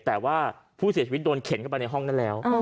แต่ว่าผู้เสียชีวิตโดนเข็นเข้าไปในห้องนั้นแล้ว